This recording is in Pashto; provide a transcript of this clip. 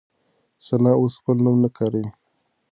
ثنا اوس خپل نوم نه کاروي.